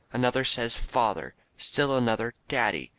Another says, "Father." Still another, "Daddy."